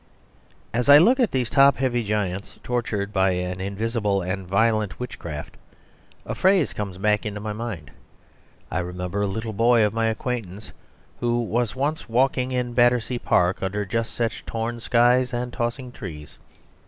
As I look at these top heavy giants tortured by an invisible and violent witchcraft, a phrase comes back into my mind. I remember a little boy of my acquaintance who was once walking in Battersea Park under just such torn skies and tossing trees.